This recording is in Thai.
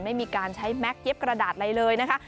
ไม่มีการใช้แก๊กเย็บกระดาษอะไรเลยนะคะ